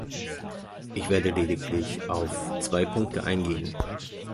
Ich werde lediglich auf zwei Punkte eingehen.